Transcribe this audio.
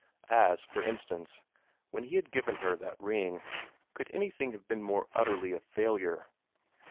As, for instance, when he had given her that ring. Could anything have been more utterly a failure?